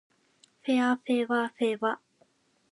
ふぇあふぇわふぇわ